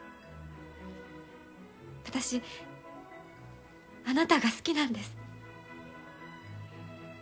私、あなたが好きなんです。